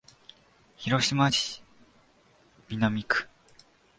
広島市南区